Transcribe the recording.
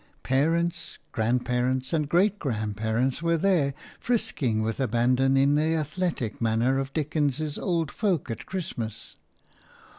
Parents, grandparents, and great grandparents were there, frisking with abandon in the athletic manner of Dickens's old folk at Christmas.